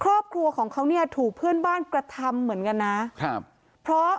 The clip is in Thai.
ครอบครัวของเขาเนี่ยถูกเพื่อนบ้านกระทำเหมือนกันนะครับเพราะ